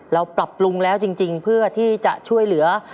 ปรับปรุงแล้วจริงเพื่อที่จะช่วยเหลือ